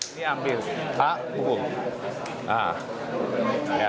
ini adalah perubahan yang terjadi ketika berlatih wing chun